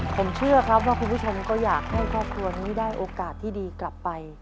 ผมเชื่อครับว่าคุณผู้ชมก็อยากให้ครอบครัวนี้ได้โอกาสที่ดีกลับไป